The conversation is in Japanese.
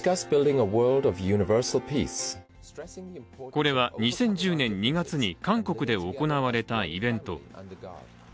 これは２０１０年２月に韓国で行われたイベント。